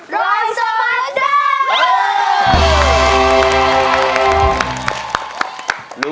รอยสวรรค์เดิม